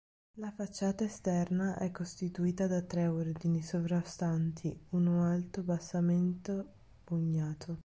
La facciata esterna è costituita da tre ordini sovrastanti un alto basamento bugnato.